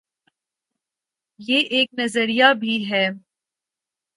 یہ ایک نظریہ بھی ہے۔